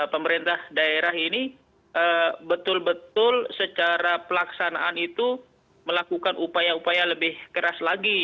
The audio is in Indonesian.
pemerintah daerah ini betul betul secara pelaksanaan itu melakukan upaya upaya lebih keras lagi